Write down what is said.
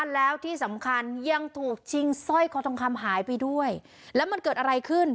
แล้วที่สำคัญยังถูกชิงสร้อยคอทองคำหายไปด้วยแล้วมันเกิดอะไรขึ้น